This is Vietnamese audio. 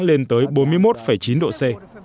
lên tới bốn mươi một chín độ c